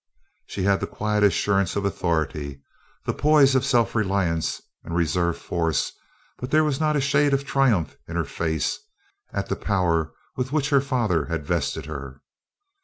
She had the quiet assurance of authority, the poise of self reliance and reserve force, but there was not a shade of triumph in her face, at the power with which her father had vested her.